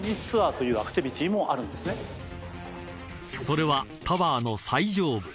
［それはタワーの最上部］